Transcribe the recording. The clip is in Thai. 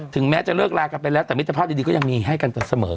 ถึงแม้จะเลิกลากันไปแล้วแต่มิตรภาพดีก็ยังมีให้กันแต่เสมอ